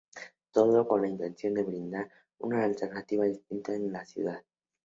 Todo con la intención de brindar una alternativa distinta en la ciudad.